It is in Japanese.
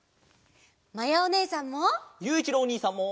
まやおねえさんも。